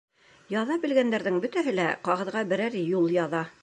Яҙа белгәндәрҙең бөтәһе лә ҡағыҙға берәр юл яҙа.